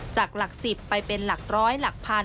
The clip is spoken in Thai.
จากหลัก๑๐ไปเป็นหลัก๑๐๐หลัก๑๐๐๐